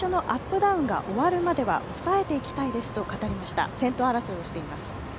ダウンは終わるまでは抑えていきたいですと語りました、先頭争いをしています。